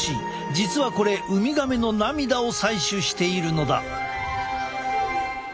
実はこれウミガメの涙を採取しているのだ。